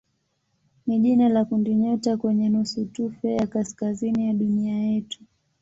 ni jina la kundinyota kwenye nusutufe ya kaskazini ya dunia yetu.